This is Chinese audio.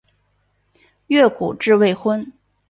越谷治未婚。